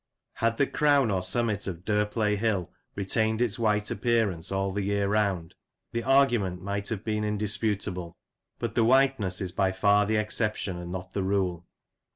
Had the crown or summit of Derplay Hill retained its white appearance all the year round, the argument might have been indisputable; but the whiteness is by far the exception, and not the rule.